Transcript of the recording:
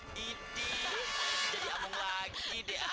giti jadi amung lagi deh